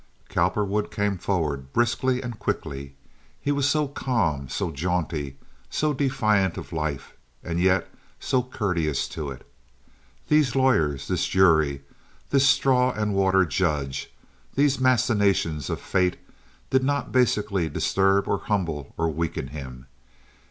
Cowperwood came forward briskly and quickly. He was so calm, so jaunty, so defiant of life, and yet so courteous to it. These lawyers, this jury, this straw and water judge, these machinations of fate, did not basically disturb or humble or weaken him.